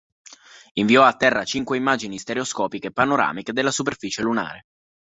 Inviò a Terra cinque immagini stereoscopiche panoramiche della superficie lunare.